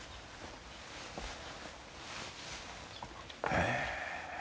へえ。